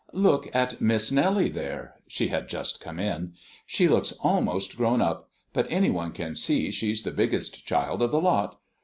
Look at Miss Nellie there." (She had just come in.) "She looks almost grown up, but any one can see she's the biggest child of the lot.